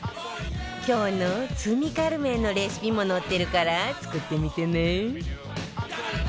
今日の罪軽麺のレシピも載ってるから作ってみてね